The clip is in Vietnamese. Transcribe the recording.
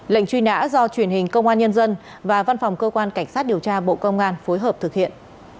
lệnh truy nã do truyền hình công an nhân dân và văn phòng cơ quan cảnh sát điều tra bộ công an phối hợp thực hiện